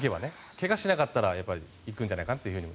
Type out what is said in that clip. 怪我しなかったら行くんじゃないかと。